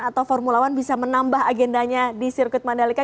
atau formula one bisa menambah agendanya di sirkuit mandalika